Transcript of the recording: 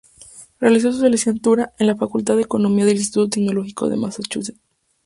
Realizó su licenciatura en la facultad de economía del Instituto Tecnológico de Massachusetts.